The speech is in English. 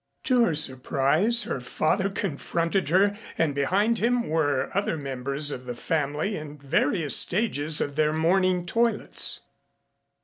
To her surprise her father confronted her and behind him were other members of the family in various stages of their morning toilets.